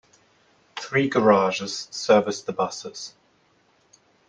Three garages service the buses.